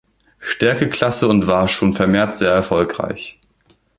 Stärkeklasse und war schon vermehrt sehr erfolgreich.